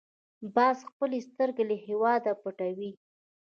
باز خپلې سترګې له هېواده پټوي